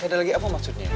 gak ada lagi apa maksudnya